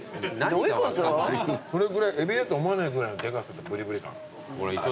それぐらいエビだと思えないぐらいのでかさとぶりぶり感。